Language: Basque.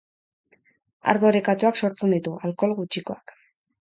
Ardo orekatuak sortzen ditu, alkohol gutxikoak.